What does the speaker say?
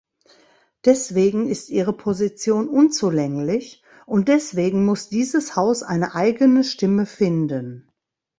Deswegen ist Ihre Position unzulänglich und deswegen muss dieses Haus eine eigene Stimme finden.